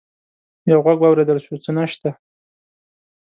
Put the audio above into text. يو غږ واورېدل شو: څه نشته!